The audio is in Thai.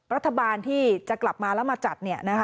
รัฐบาลที่จะกลับมาแล้วมาจัด